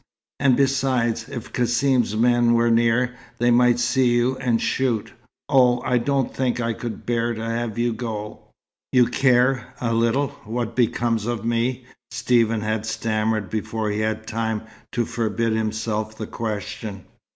And besides, if Cassim's men were near, they might see you and shoot. Oh, I don't think I could bear to have you go!" "You care a little what becomes of me?" Stephen had stammered before he had time to forbid himself the question.